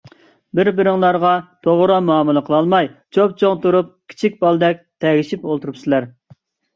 بىر - بىرىڭلارغا توغرا مۇئامىلە قىلالماي چوپچوڭ تۇرۇپ كىچىك بالىدەك تەگىشىپ ئولتۇرۇشۇپسىلەر.